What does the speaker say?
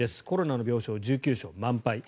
コロナの病床、１９床、満杯。